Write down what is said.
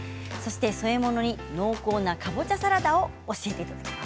添え物に濃厚なかぼちゃサラダを教えていただきます。